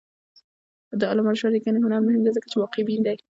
د علامه رشاد لیکنی هنر مهم دی ځکه چې واقعبین دی.